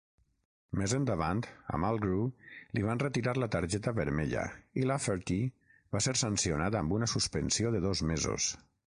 Més endavant, a Mulgrew li van retirar la targeta vermella i Lafferty va ser sancionat amb una suspensió de dos mesos.